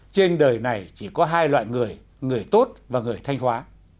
trên đời này chỉ có hai loại người người tốt và người thanh hóa